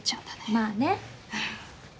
まあね。